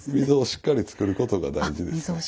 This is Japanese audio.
溝をしっかり作ることが大事です。